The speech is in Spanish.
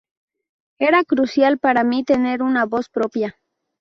Era crucial para mí tener una voz propia.